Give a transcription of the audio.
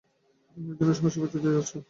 তুমি একধরনের সমস্যার ভেতর দিয়ে যােচ্ছ।